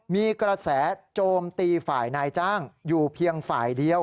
มีกระแสโจมตีฝ่ายนายจ้างอยู่เพียงฝ่ายเดียว